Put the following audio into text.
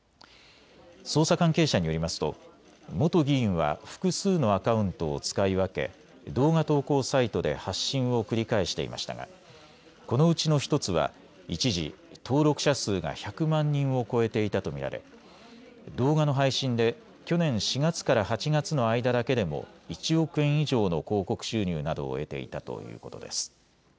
捜査関係者によりますと元議員は複数のアカウントを使い分け動画投稿サイトで発信を繰り返していましたがこのうちの１つは一時、登録者数が１００万人を超えていたと見られ、動画の配信で去年４月から８月の間だけでも１億円以上の広告収入などを得ていたということです。